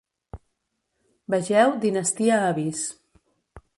Vegeu Dinastia Avís.